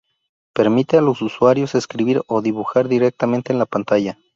Permite a los usuarios escribir o dibujar directamente en la pantalla.